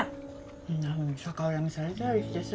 そんなふうに逆恨みされたりしてさ。